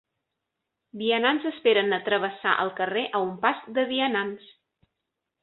Vianants esperen a travessar el carrer a un pas de vianants.